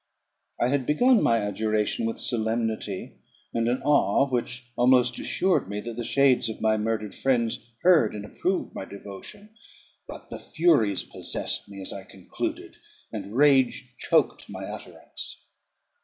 I had begun my adjuration with solemnity, and an awe which almost assured me that the shades of my murdered friends heard and approved my devotion; but the furies possessed me as I concluded, and rage choked my utterance.